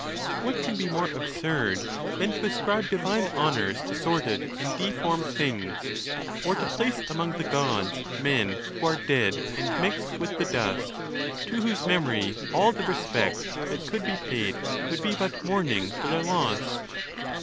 Wliut can be more absurd than to ascribe divine honors to sordid and deformed things ; or to place among the Gods men who are dead and mixed with the dust, to whose memory all the respect that could be paid would be but mourning for their loss